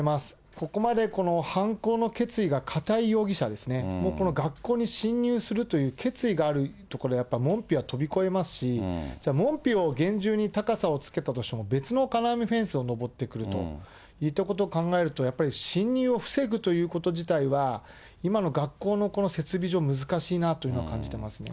ここまでこの犯行の決意が固い容疑者ですね、学校に侵入するという決意があるところ、やっぱり門扉は飛び越えますし、じゃあ、門扉を厳重に、高さをつけたとしても別の金網フェンスを上ってくるといったことを考えると、やっぱり侵入を防ぐということ自体は、今の学校のこの設備上、難しいなというふうに感じてますね。